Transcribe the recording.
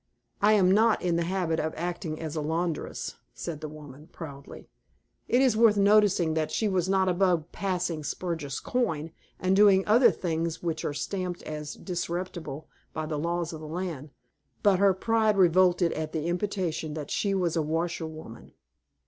"I am not in the habit of acting as laundress," said the woman, proudly. It is worth noticing that she was not above passing spurious coin, and doing other things which are stamped as disreputable by the laws of the land, but her pride revolted at the imputation that she was a washer woman.